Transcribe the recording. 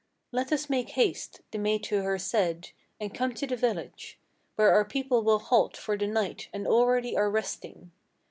'Let us make haste,' the maid to her said, 'and come to the village, Where our people will halt for the night and already are resting.